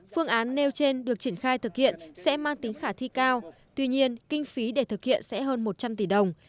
phương án nêu trên được triển khai thực hiện sẽ mang tính khả thi cao tuy nhiên kinh phí để thực hiện sẽ hơn một trăm linh tỷ đồng